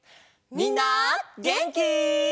みんなげんき？